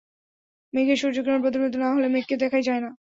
মেঘে সূর্যকিরণ প্রতিফলিত না হলে মেঘকে দেখাই যায় না।